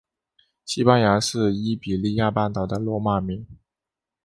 西班牙是伊比利亚半岛的罗马名。